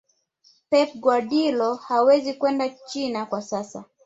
pep guardiola hawezi kwenda china kwa sasa